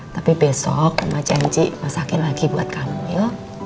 tapi besok mama janji masakin lagi buat kamu ya